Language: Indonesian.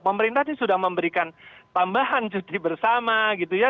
pemerintah ini sudah memberikan tambahan cuti bersama gitu ya